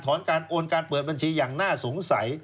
การโอนการเปิดบัญชีอย่างน่าสงสัย